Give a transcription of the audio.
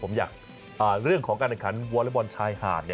ผมอยากรู้เรื่องของการทะคันวอลเตอร์บอลชายหาด